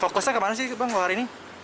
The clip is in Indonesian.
fokusnya kemana sih bang kalau hari ini